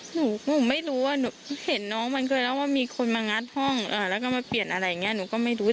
หนูไม่รู้ว่าหนูเห็นน้องมันเคยแล้วว่ามีคนมางัดห้องแล้วก็มาเปลี่ยนอะไรอย่างนี้หนูก็ไม่รู้